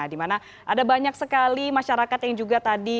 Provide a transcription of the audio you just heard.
dimana ada banyak sekali masyarakat yang juga tadi